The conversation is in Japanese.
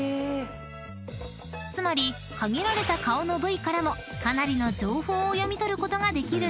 ［つまり限られた顔の部位からもかなりの情報を読み取ることができるんです］